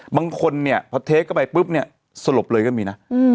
บางคนพอเล็กเข้าไปผึ๊บสลบเลยก็มีนะ